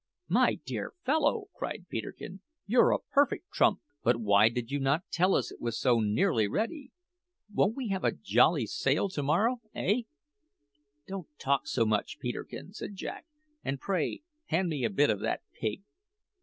"My dear fellow," cried Peterkin, "you're a perfect trump! But why did you not tell us it was so nearly ready? Won't we have a jolly sail to morrow, eh?" "Don't talk so much, Peterkin," said Jack; "and, pray, hand me a bit of that pig."